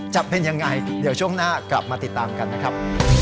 จะเป็นยังไงเดี๋ยวช่วงหน้ากลับมาติดตามกันนะครับ